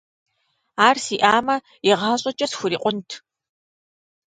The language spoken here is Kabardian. Ар сиӀамэ, игъащӀэкӀэ схурикъунт.